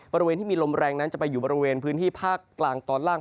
บริเวณที่มีลมแรงนั้นจะไปอยู่บริเวณพื้นที่ภาคกลางตอนล่าง